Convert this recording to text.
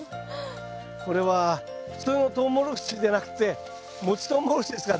これは普通のトウモロコシじゃなくてもちトウモロコシですからでかいですね